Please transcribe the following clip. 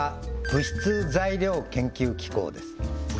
物質・材料研究機構？